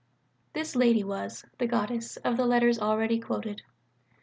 This lady was "the Goddess" of the letters already quoted.